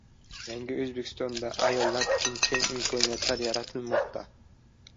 Yangi O‘zbekistonda ayollar uchun keng imkoniyatlar yaratilmoqda